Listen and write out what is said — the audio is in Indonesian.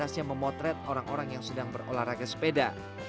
dan membuatnya terlihat lebih berharga dari orang orang yang sedang berolahraga sepeda